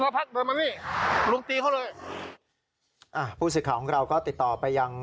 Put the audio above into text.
คุณพระพักษณ์มานี่ลงตีเขาเลยอ่ะผู้สิทธิ์ของเราก็ติดต่อไปยัง